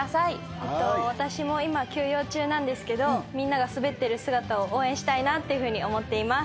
私も今休養中なんですけどみんなが滑ってる姿を応援したいなと思っています。